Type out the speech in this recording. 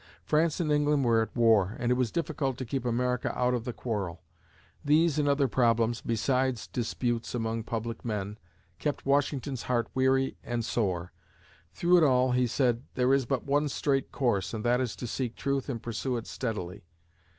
France and England were at war and it was difficult to keep America out of the quarrel. These and other problems, besides disputes among public men, kept Washington's heart weary and sore. Through it all, he said, "There is but one straight course and that is to seek truth and pursue it steadily."